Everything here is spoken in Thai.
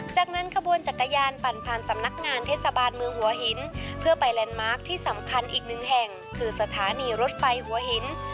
จากนั้นขบวนจักรยานปั่นผ่านสำนักงานเทศบาลเมืองหัวหินเพื่อไปแลนด์มาร์คที่สำคัญอีกหนึ่งแห่งคือสถานีรถไฟหัวหิน